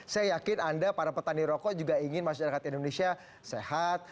saya yakin anda para petani rokok juga ingin masyarakat indonesia sehat